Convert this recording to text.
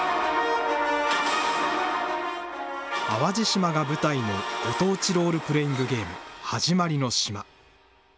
淡路島が舞台のご当地ロールプレイングゲーム、はじまりの島。